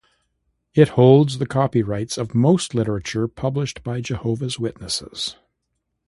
It holds the copyrights of most literature published by Jehovah's Witnesses.